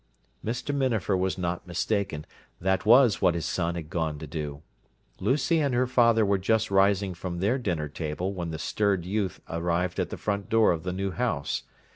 Mr. Minafer was not mistaken: that was what his son had gone to do. Lucy and her father were just rising from their dinner table when the stirred youth arrived at the front door of the new house.